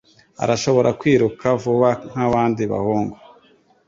Arashobora kwiruka vuba nkabandi bahungu